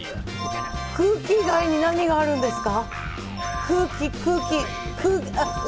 空気以外に何があるんですか？